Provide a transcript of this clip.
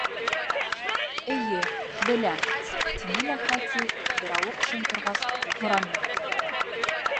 — Эйе, беләм, — тине лә Хати, берауыҡ шым торғас, һораны: